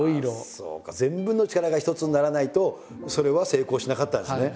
そうか全部の力が一つにならないとそれは成功しなかったんですね。